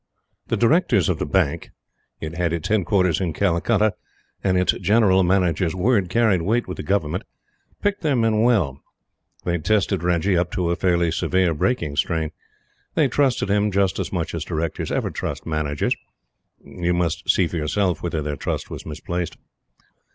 The Directors of the Bank it had its headquarters in Calcutta and its General Manager's word carried weight with the Government picked their men well. They had tested Reggie up to a fairly severe breaking strain. They trusted him just as much as Directors ever trust Managers. You must see for yourself whether their trust was misplaced.